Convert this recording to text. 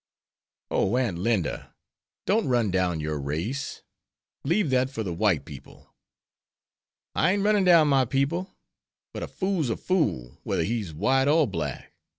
"Oh, Aunt Linda, don't run down your race. Leave that for the white people." "I ain't runnin' down my people. But a fool's a fool, wether he's white or black.